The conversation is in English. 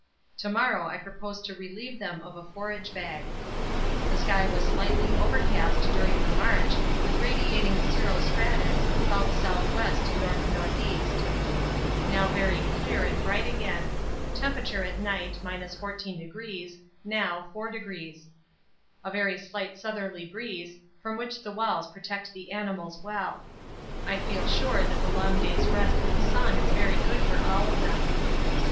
To morrow I propose to relieve them of a forage bag. The sky was slightly overcast during the march, with radiating cirro stratus S.S.W. N.N.E. Now very clear and bright again. Temp, at night 14°, now 4°. A very slight southerly breeze, from which the walls protect the animals well. I feel sure that the long day's rest in the sun is very good for all of them.